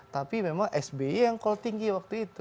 tapi memang sby yang call tinggi waktu itu